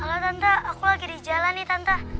kalau tante aku lagi di jalan nih tante